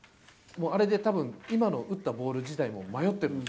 あれでたぶん、今の打ったボール自体も迷ってる。